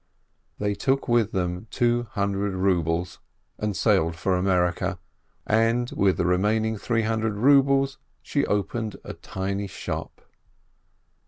They took with them two hundred rubles and sailed for America, and with the remaining three hundred rubles she opened a tiny shop.